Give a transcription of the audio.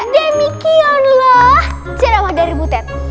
demikianlah cerama dari butet